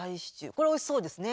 これおいしそうですね。